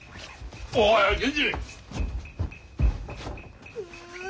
おい銀次！